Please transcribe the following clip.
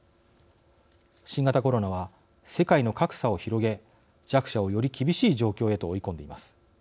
新型コロナは世界の格差を広げ弱者をより厳しい状況へと追い込んでいます。